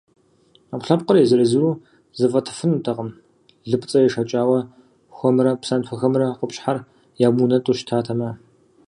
Ӏэпкълъэпкъыр езыр-езыру зэфӏэтыфынутэкъым лыпцӏэ ешэкӏауэ, хуэмрэ псантхуэхэмрэ къупщхьэр ямыунэтӏу щытатэмэ.